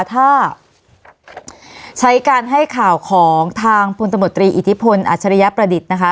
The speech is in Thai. ถ้าใช้การให้ข่าวของทางพลตมตรีอิทธิพลอัจฉริยประดิษฐ์นะคะ